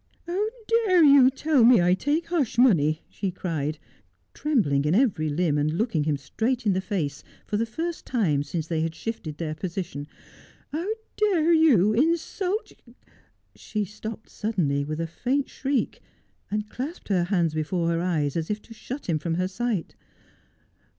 'How dare you tell me I take hush money'?' she cried, trembling in every limb, and looking him straight in the face for the first time since they had shifted their position. ' How dare you insult ' She stopped suddenly, with a faint shriek, and clasped her hands before her eyes, as if to shut him from her sight.